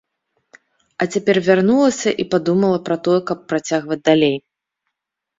А цяпер вярнулася і падумала пра тое, каб працягваць далей.